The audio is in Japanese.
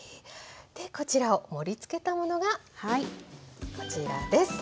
でこちらを盛りつけたものがこちらです。